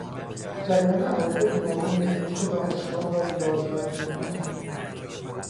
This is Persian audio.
جریان عقاید گوناگون محیط دانشگاه را زادمند میکند.